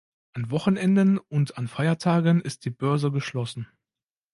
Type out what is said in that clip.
An Wochenenden und an Feiertagen ist die Börse geschlossen.